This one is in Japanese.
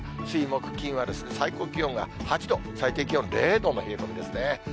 水、木、金は最高気温が８度、最低気温０度の冷え込みですね。